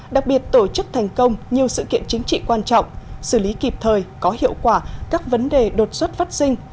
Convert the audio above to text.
đặc biệt tổ chức thành công nhiều sự kiện chính trị quan trọng xử lý kịp thời có hiệu quả các vấn đề đột xuất phát sinh